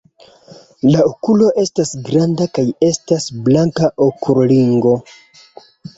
La okulo estas granda kaj estas blanka okulringo.